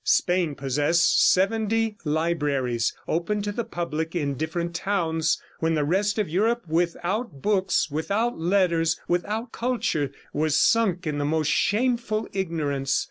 Spain possessed seventy libraries, open to the public in different towns, when the rest of Europe, without books, without letters, without culture, was sunk in the most shameful ignorance.